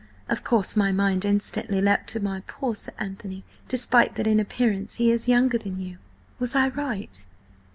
Of course, my mind instantly leapt to my poor Sir Anthony, despite that in appearance he is younger than you. Was I right?"